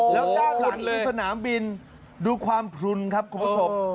แล้วด้านหลังคือสนามบินดูความพลุนครับคุณผู้ชม